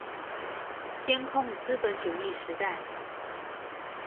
監控資本主義時代